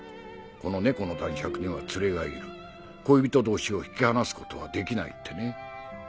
「このネコの男爵には連れがいる恋人同士を引き離すことはできない」ってね。